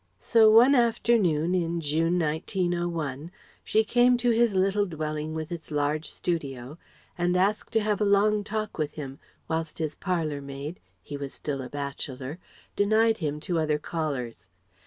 So one afternoon in June, 1901, she came to his little dwelling with its large studio, and asked to have a long talk to him, whilst his parlour maid he was still a bachelor denied him to other callers.